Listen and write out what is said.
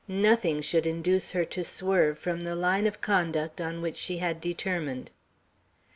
Nothing should induce her to swerve from the line of conduct on which she had determined.